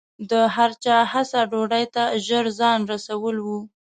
د هر چا هڅه ډوډۍ ته ژر ځان رسول و.